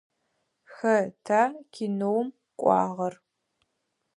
Хэта кинэум кӏуагъэр?